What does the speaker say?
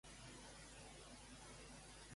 Estaria bé punxar punk.